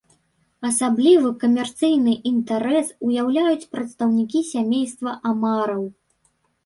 Асаблівы камерцыйны інтарэс уяўляюць прадстаўнікі сямейства амараў.